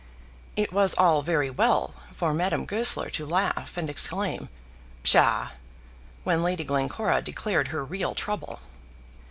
It was all very well for Madame Goesler to laugh and exclaim, "Psha!" when Lady Glencora declared her real trouble.